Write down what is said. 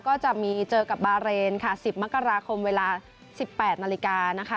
ก็จะมีเจอกับบาเรนค่ะ๑๐มกราคมเวลา๑๘นาฬิกานะคะ